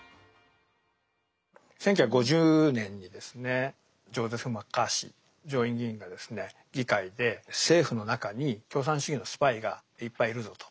１９５０年にですねジョゼフ・マッカーシー上院議員が議会で政府の中に共産主義のスパイがいっぱいいるぞと。